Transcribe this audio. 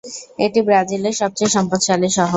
এটি ব্রাজিলের সবচেয়ে সম্পদশালী শহর।